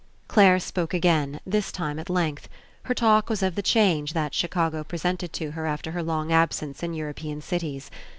Clare spoke again, this time at length. Her talk was of the change that Chicago pre sented to her after her long absence in Euro pean cities.